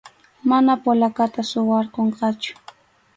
Mana polacata suwarqunqachu.